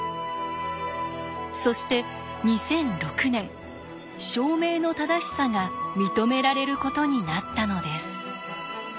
そして２００６年証明の正しさが認められることになったのです。